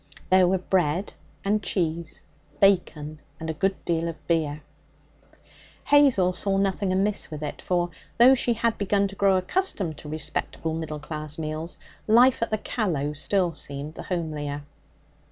There were bread and cheese, bacon, and a good deal of beer. Hazel saw nothing amiss with it, for though she had begun to grow accustomed to respectable middle class meals, life at the Callow still seemed the homelier.